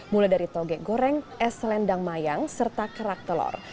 mulai dari toge goreng es selendang mayang serta kerak telur